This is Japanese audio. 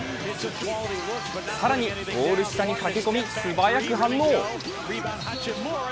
更に、ゴール下に駆け込み、素早く反応。